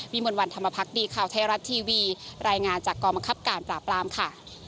มวลวันธรรมพักดีข่าวไทยรัฐทีวีรายงานจากกองบังคับการปราบปรามค่ะ